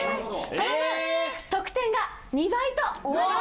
その分得点が２倍となります。